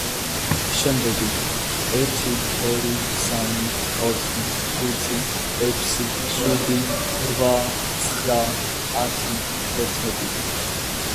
შემდეგი: ერთი, ორი, სამი, ოთხი, ხუთი, ექვსი, შვიდი, რვა, ცხრა, ათი, თერთმეტი.